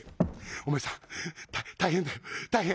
「お前さん大変だよ大変。